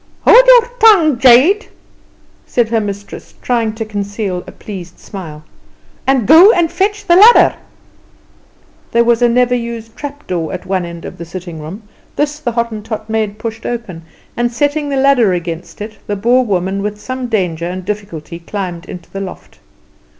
"Hold your tongue, jade," said her mistress, trying to conceal a pleased smile, "and go and fetch the ladder." There was a never used trap door at one end of the sitting room: this the Hottentot maid pushed open, and setting the ladder against it, the Boer woman with some danger and difficulty climbed into the loft.